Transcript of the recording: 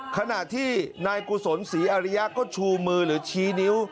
ขณะที่นายกุศลศรีอริยะก็ชูมือหรือชี้นิ้ว